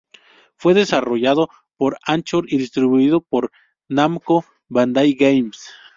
Fue desarrollado por Anchor y distribuido por Namco Bandai Games.